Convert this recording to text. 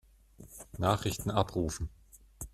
Nachrichten abrufen.